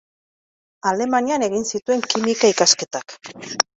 Alemanian egin zituen kimika ikasketak.